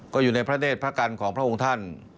ก็อยู่ในพระเดชพระกันของพระองค์ท่าน